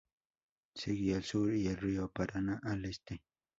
Seguí al sur y el río Paraná al este.